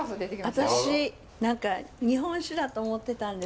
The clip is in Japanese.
私何か日本酒だと思ってたんです